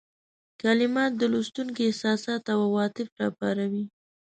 کلمات د لوستونکي احساسات او عواطف را وپاروي.